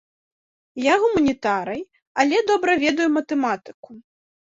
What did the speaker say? Я гуманітарый, але добра ведаю матэматыку.